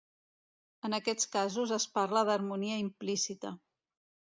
En aquests casos es parla d'harmonia implícita.